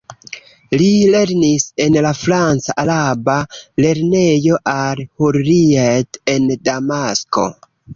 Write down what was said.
Li lernis en la franca-araba lernejo al-Hurrijet en Damasko.